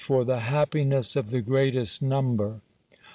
FOR THE HAPPINESS OF THE GREATEST NUMBER.